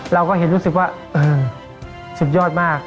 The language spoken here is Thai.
เราก็เห็นรู้สึกว่าสุดยอดมาก